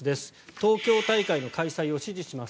東京大会の開催を支持します